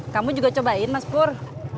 kamu juga cobain mas pur